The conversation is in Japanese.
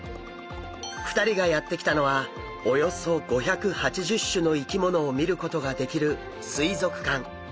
２人がやって来たのはおよそ５８０種の生き物を見ることができる水族館。